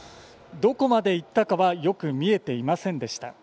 どこまでいったかはよく見えていませんでした。